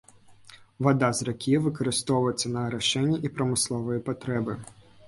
Вада з ракі выкарыстоўваецца на арашэнне і прамысловыя патрэбы.